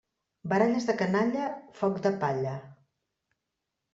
Baralles de canalla, foc de palla.